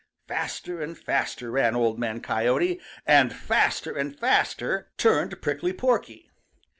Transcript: Faster and faster ran Old Man Coyote, and faster and faster turned Prickly Porky.